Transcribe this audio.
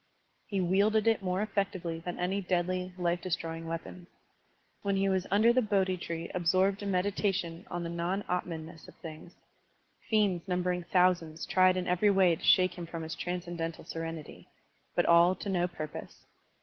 He wielded it more effectively than any deadly, life destroying weapons. When he was under the Digitized by Google BUDDHIST VIEW OF WAR IQS Bodhi tree absorbed in meditation on the non atmanness of things, fiends numbering thousands tried in every way to shake him from his tran scendental serenity; but all to no purpose.